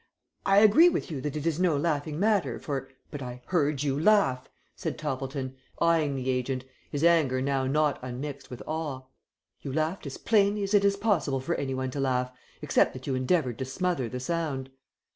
I agree with you that it is no laughing matter for " "But I heard you laugh," said Toppleton, eyeing the agent, his anger now not unmixed with awe. "You laughed as plainly as it is possible for any one to laugh, except that you endeavoured to smother the sound."